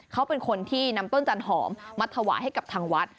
เขาเป็นคนที่นำต้นจันหอมมาถวายให้กับทางวัด